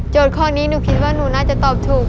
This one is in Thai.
โจทย์ข้อนี้หนูคิดว่าน่าจะตอบถูก